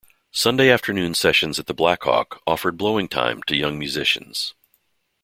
Sunday afternoon sessions at the Black Hawk offered blowing time to young musicians.